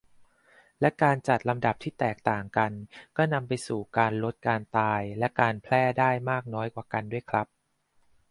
และการจัดลำดับที่แตกต่างกัน ก็นำไปสู่การลดการตายและการแพร่ได้มากน้อยกว่ากันด้วยครับ